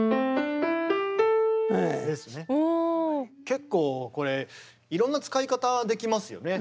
結構これいろんな使い方できますよね。